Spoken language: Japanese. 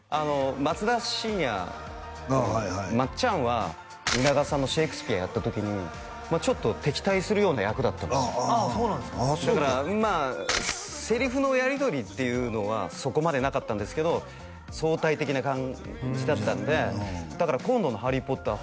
松田慎也君まっちゃんは蜷川さんの「シェイクスピア」やった時にちょっと敵対するような役だったんですよああそうなんですかだからまあセリフのやりとりっていうのはそこまでなかったんですけど相対的な感じだったんでだから今度の「ハリー・ポッター」